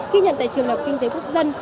ghi nhận tại trường đại học kinh tế quốc dân